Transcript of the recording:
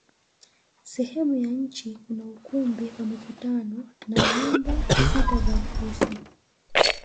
Sehemu ya chini kuna ukumbi wa mikutano na vyumba sita vya ofisi